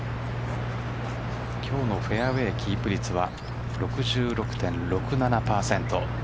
今日のフェアウェイキープ率は６６．６７％。